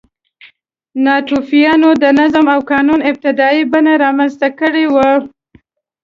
ناتوفیانو د نظم او قانون ابتدايي بڼه رامنځته کړې وه.